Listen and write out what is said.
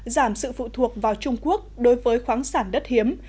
giảm sự phụ thuộc vào trung quốc đối với khoáng sản đất hiếm